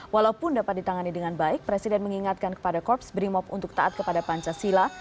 walaupun dapat ditangani dengan baik presiden mengingatkan kepada korps brimob untuk taat kepada pancasila